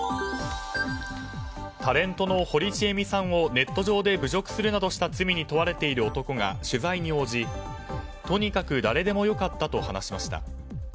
タレントの堀ちえみさんをネット上で侮辱するなどした罪に問われている男が取材に応じとにかく誰でもよかったと話しました。